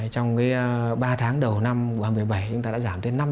trong ba tháng đầu năm hai nghìn một mươi bảy chúng ta đã giảm đến năm trăm linh con lái